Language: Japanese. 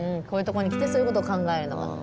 こういうとこに来てそういうこと考えるのが。